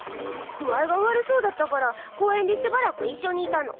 具合が悪そうだったから公園でしばらくいっしょにいたの。